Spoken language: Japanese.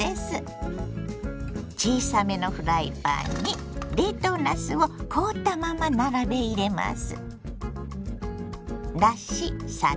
小さめのフライパンに冷凍なすを凍ったまま並べ入れます。